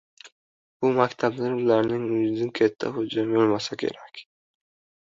Bu maktablarda ularning o‘zidan katta xo‘jayin bo‘lmasligi kerak.